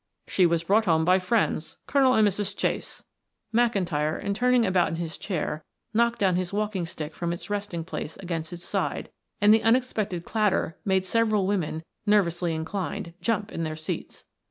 "She was brought home by friends, Colonel and Mrs. Chase." McIntyre in turning about in his chair knocked down his walking stick from its resting place against its side, and the unexpected clatter made several women, nervously inclined, jump in their seats.